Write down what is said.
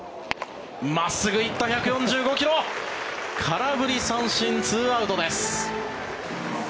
真っすぐ行った、１４５ｋｍ空振り三振、２アウトです。